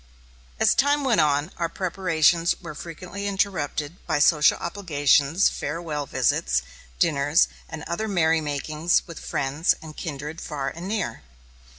As time went on, our preparations were frequently interrupted by social obligations, farewell visits, dinners, and other merrymakings with friends and kindred far and near.